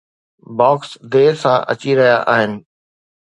Box دير سان اچي رهيا آهن.